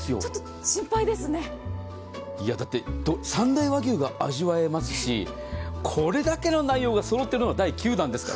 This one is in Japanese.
だって三大和牛が味わえますしこれだけの内容がそろってるのは第９弾ですから。